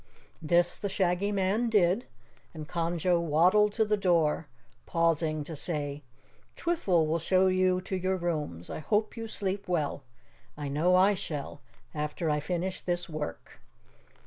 This the Shaggy Man did and Conjo waddled to the door, pausing to say, "Twiffle will show you to your rooms. I hope you sleep well. I know I shall, after I finish this work."